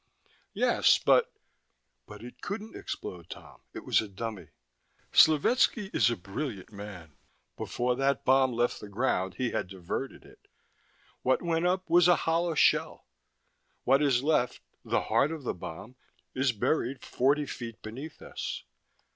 "Yes, but " "But it couldn't explode, Tom. It was a dummy. Slovetski is a brilliant man. Before that bomb left the ground, he had diverted it. What went up was a hollow shell. What is left the heart of the bomb is buried forty feet beneath us."